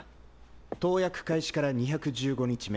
投薬開始から２１５日目。